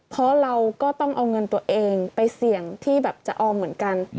เพราะเราก็ต้องเอาเงินตัวเองไปเสี่ยงที่แบบจะออมเหมือนกัน